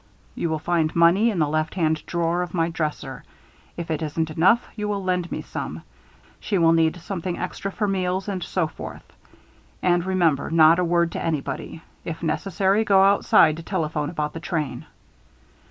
You will find money in the left hand drawer of my dresser. If it isn't enough, you will lend me some she will need something extra for meals and so forth. And remember, not a word to anybody. If necessary, go outside to telephone about the train."